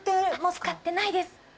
使ってないです。